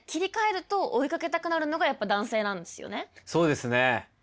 そうですね。